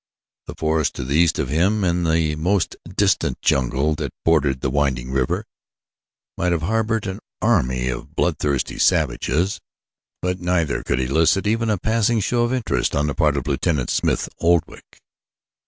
The forest to the east of him, and the more distant jungle that bordered the winding river, might have harbored an army of bloodthirsty savages, but neither could elicit even a passing show of interest on the part of Lieutenant Smith Oldwick.